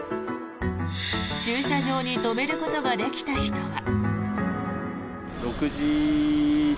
駐車場に止めることができた人は。